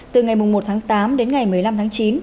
từ ngày một tháng tám đến ngày một mươi năm tháng chín